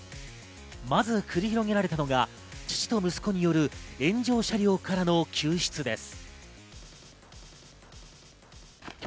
まず繰り広げられたのが父と息子による炎上車両からの救出です。